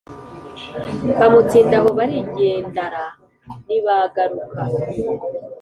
bamutsinda aho barijyendara nibagaruka